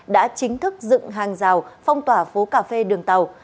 đã chính thức dựng hàng rào phong tỏa phố cà phê đường tàu